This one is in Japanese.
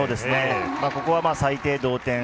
ここは最低同点。